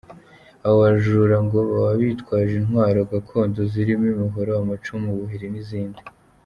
Abo bajura ngo baba bitwaje intwaro gakondo zirimo imihoro, amacumu, ubuhiri n’izindi.